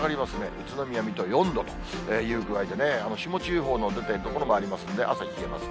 宇都宮、水戸４度という具合でね、霜注意報の出ている所もありますんで、朝冷えます。